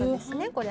これ。